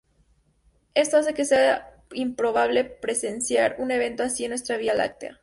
Esto hace que sea improbable presenciar un evento así en nuestra Vía Láctea.